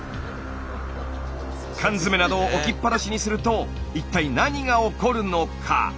缶詰などを置きっぱなしにすると一体何が起こるのか。